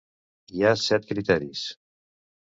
Hi ha set criteris.